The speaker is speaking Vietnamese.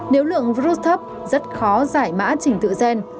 nếu lượng virus thấp rất khó giải mã trình tự gen